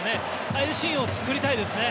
ああいうシーンを作りたいですね。